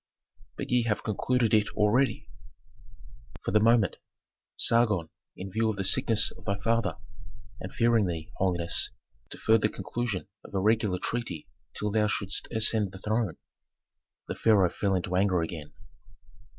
"But ye have concluded it already!" "For the moment. Sargon, in view of the sickness of thy father, and fearing thee, holiness, deferred the conclusion of a regular treaty till thou shouldst ascend the throne." The pharaoh fell into anger again.